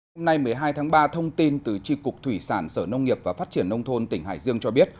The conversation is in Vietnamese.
hôm nay một mươi hai tháng ba thông tin từ tri cục thủy sản sở nông nghiệp và phát triển nông thôn tỉnh hải dương cho biết